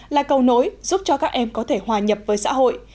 là cầu nối giúp cho các em có thể hòa nhập với xã hội